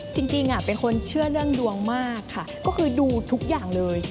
จริงเป็นคนเชื่อเรื่องดวงมากค่ะก็คือดูทุกอย่างเลย